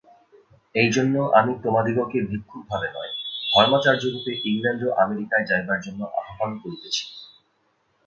এইজন্য আমি তোমাদিগকে ভিক্ষুকভাবে নয়, ধর্মাচার্যরূপে ইংলণ্ড ও আমেরিকায় যাইবার জন্য আহ্বান করিতেছি।